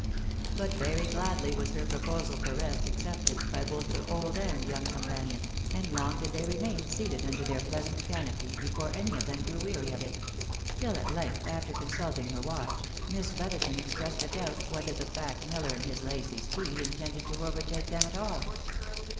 But very gladly was her proposal for rest accepted, by both her old and young companion, and long did they remain seated under their pleasant canopy before they any of them grew weary of it ; till at length, after consulting her watch, Miss Brotherton expressed a doubt whether the fat miller and his lazy steed intended to overtake them at all.